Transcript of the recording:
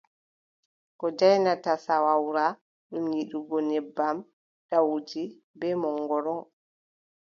Ko jaanyata sawoora, ɗum yiɗgo nebbam, ɗowdi bee mongoro.